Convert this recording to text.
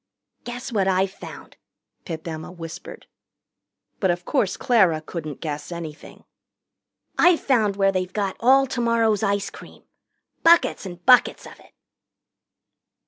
"Guess what I've found!" Pip Emma whispered. But of course Clara couldn't guess anything. "I've found where they've got all tomorrow's ice cream. Buckets and buckets of it."